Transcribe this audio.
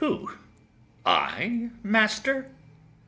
Who, I, master?